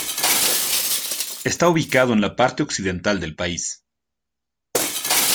Está ubicado en la parte occidental del país.